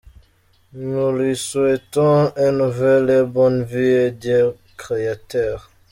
Nous lui souhaitons un nouvelle et bonne vie en Dieu Créateur.